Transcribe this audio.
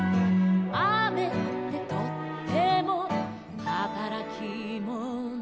「雨ってとってもはたらきもの」